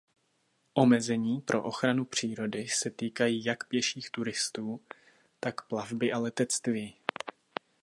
Omezení pro ochranu přírody se týkají jak pěších turistů tak plavby a letectví.